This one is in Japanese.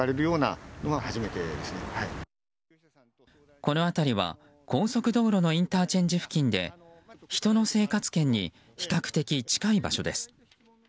この辺りは高速道路のインターチェンジ付近で人の生活圏に比較的近い場所です。